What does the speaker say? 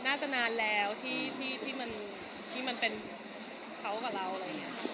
น่าจะนานแล้วที่มันเป็นเขากับเราอะไรอย่างนี้ค่ะ